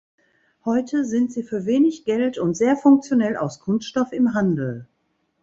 Heute sind sie für wenig Geld und sehr funktionell aus Kunststoff im Handel.